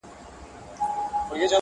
ستا د مخ د سپین کتاب پر هره پاڼه,